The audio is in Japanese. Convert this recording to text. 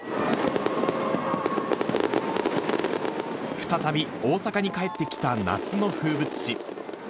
再び、大阪に帰ってきた夏の風物詩。